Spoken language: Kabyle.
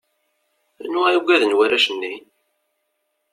Anwa i ugaden warrac-nni?